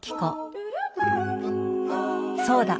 そうだ！